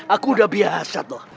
aku udah biasa tuh